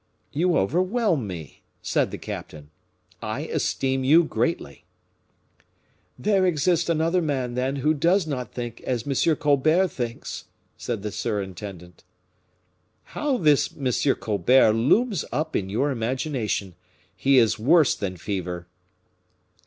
'" "You overwhelm me," said the captain. "I esteem you greatly." "There exists another man, then, who does not think as M. Colbert thinks," said the surintendant. "How this M. Colbert looms up in your imagination! He is worse than fever!"